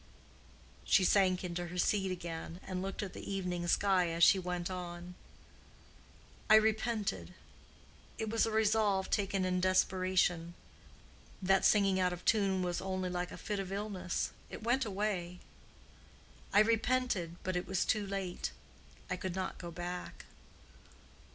'" She sank into her seat again, and looked at the evening sky as she went on: "I repented. It was a resolve taken in desperation. That singing out of tune was only like a fit of illness; it went away. I repented; but it was too late. I could not go back.